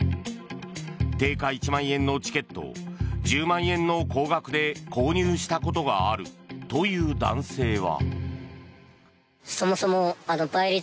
定価１万円のチケットを１０万円の高額で購入したことがあるという男性は。